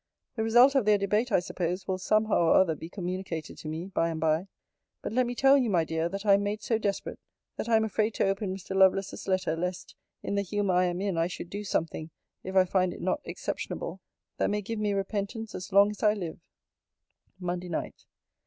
The result of their debate, I suppose, will somehow or other be communicated to me by and by. But let me tell you, my dear, that I am made so desperate, that I am afraid to open Mr. Lovelace's letter, lest, in the humour I am in, I should do something (if I find it not exceptionable) that may give me repentance as long as I live. MONDAY NIGHT.